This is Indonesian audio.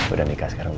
udah nikah sekarang wih